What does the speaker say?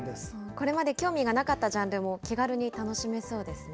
これまで興味がなかったジャンルも気軽に楽しめそうですね。